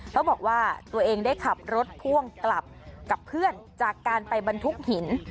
เขาบอกว่าตัวเองได้ขับรถพ่วงกลับกับเพื่อนจากการไปบรรทุกหิน